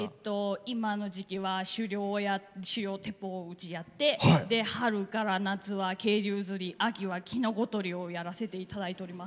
今の時期は狩猟鉄砲を撃ち合って春から夏は渓流釣り秋は、きのことりをやらせていただいています。